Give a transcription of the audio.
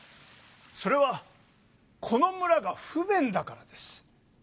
それはこの村が不便だからです！